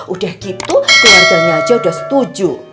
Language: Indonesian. udah gitu keluarganya aja udah setuju